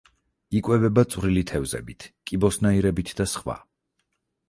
იკვებება წვრილი თევზებით, კიბოსნაირებით და სხვა.